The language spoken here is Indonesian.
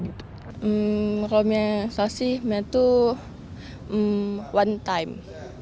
kalau saya sih saya tuh one time